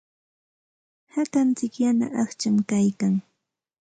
Hakantsik yana aqcham kaykan.